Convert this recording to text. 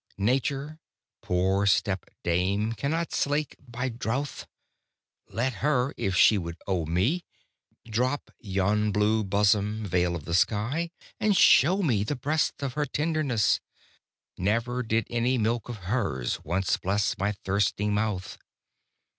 Nature, poor stepdame, cannot slake by drouth; Let her, if she would owe me, Drop yon blue bosom veil of sky, and show me The breasts o' her tenderness: Never did any milk of hers once bless My thirsting mouth.